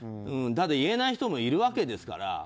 ただ、言えない人もいるわけですから。